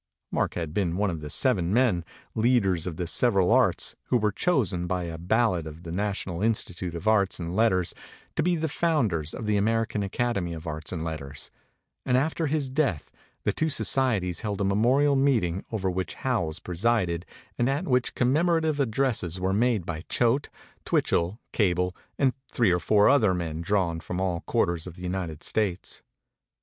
Mark had been one of the seven men, leaders of the several arts, who were chosen by a bal lot of the National Institute of Arts and Let ters to be the founders of the American Acad emy of Arts and Letters; and after his death 292 MEMORIES OF MARK TWAIN the two societies held a memorial meeting, over which Howells presided and at which commem orative addresses were made by Choate, Twitch ell, Cable and three or four other men drawn from all quarters of the United States.